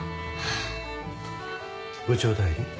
部長代理。